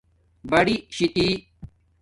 بڑئ شیتی